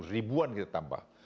ribuan kita tambah